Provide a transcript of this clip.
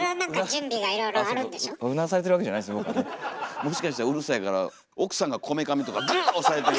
もしかしたらうるさいから奥さんがこめかみとかグーッ押さえてる。